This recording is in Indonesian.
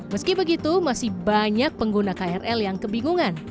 meski begitu masih banyak pengguna krl yang kebingungan